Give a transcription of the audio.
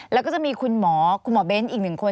แล้วก็จะมีคุณหมอคุณหมอเบ้นอีกหนึ่งคน